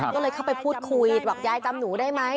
ก็เลยเข้าไปพูดคุยบอกยายจำหนูได้ไหม